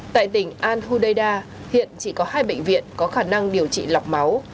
tại tỉnh al hudayda hiện chỉ có hai bệnh viện có khả năng điều trị lọc máu